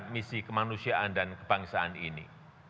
misi kemanusiaan dan kebangsaan ini